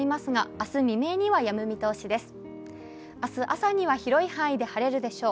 明日朝には広い範囲で晴れるでしょう。